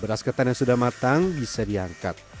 beras ketan yang sudah matang bisa diangkat